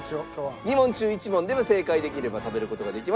２問中１問でも正解できれば食べる事ができます。